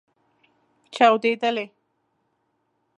چاودیدلې